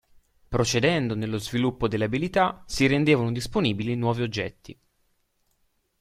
Procedendo nello sviluppo delle abilità si rendevano disponibili nuovi oggetti.